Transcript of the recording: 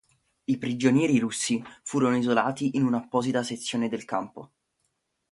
I prigionieri russi furono isolati in una apposita sezione del campo.